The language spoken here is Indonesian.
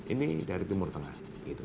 ini dari timur tengah